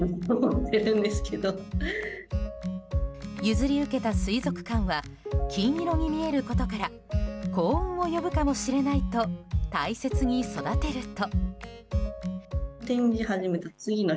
譲り受けた水族館は金色に見えることから幸運を呼ぶかもしれないと大切に育てると。